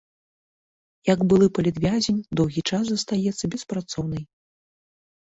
Як былы палітвязень доўгі час застаецца беспрацоўнай.